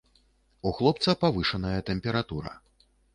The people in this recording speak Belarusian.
У хлопца павышаная тэмпература.